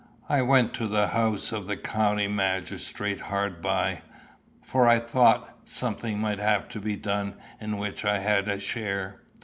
I went to the house of the county magistrate hard by, for I thought something might have to be done in which I had a share.